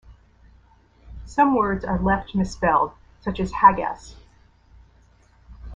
Some words are left misspelled, such as "haggas".